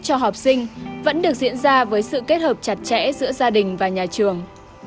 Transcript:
cho học sinh vẫn được diễn ra với sự kết hợp chặt chẽ giữa gia đình và nhà trường